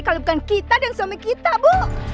kalau bukan kita dan suami kita bu